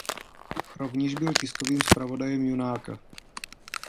Rovněž byl tiskovým zpravodajem Junáka.